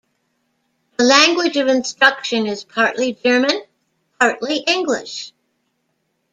The language of instruction is partly German, partly English.